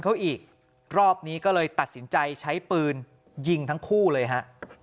เขาอีกรอบนี้ก็เลยตัดสินใจใช้ปืนยิงทั้งคู่เลยฮะ